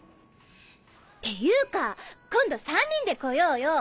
っていうか今度３人で来ようよ！